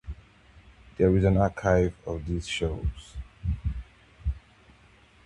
There is an archive of these shows.